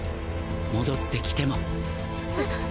戻って来ても。え！？